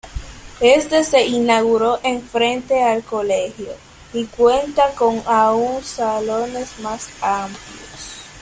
Este se inauguró en frente al colegio, y cuenta con aun salones más amplios.